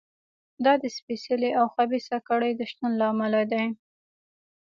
دا د سپېڅلې او خبیثه کړۍ د شتون له امله دی.